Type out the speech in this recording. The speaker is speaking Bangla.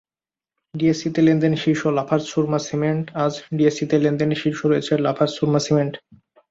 ডিএসইতে লেনদেনে শীর্ষে লাফার্জ সুরমা সিমেন্টআজ ডিএসইতে লেনদেনে শীর্ষে রয়েছে লাফার্জ সুরমা সিমেন্ট।